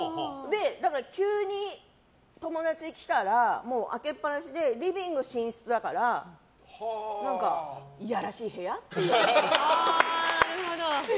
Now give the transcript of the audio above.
だから、急に友達が来たら開けっ放しでリビング、寝室だからいやらしい部屋って言われる。